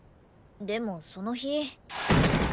でもその日。